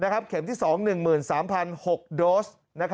เข็มที่สอง๑๓๐๐๖โดส